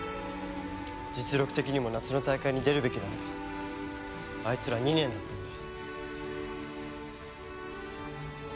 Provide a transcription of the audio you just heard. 実力的にも夏の大会に出るべきなのはあいつら２年だったんだ。